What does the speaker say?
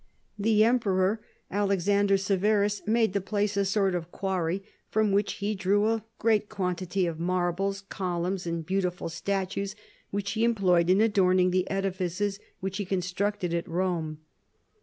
The Emperor Alexander Severus made the place a "sort of quarry from which he drew a great quantity of marbles, columns and beautiful statues which he employed in adorning the edifices which he constructed at Rome.